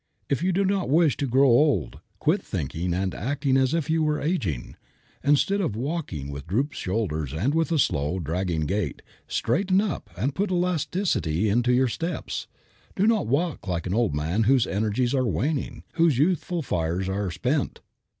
If you do not wish to grow old, quit thinking and acting as if you were aging. Instead of walking with drooped shoulders and with a slow, dragging gait, straighten up and put elasticity into your steps. Do not walk like an old man whose energies are waning, whose youthful fires are spent.